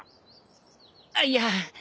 あっいや。